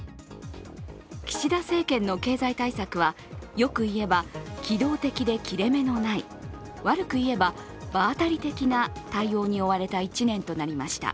岸田政権の経済対策は、よく言えば機動的で切れ目のない悪く言えば、場当たり的な対応に追われた１年となりました。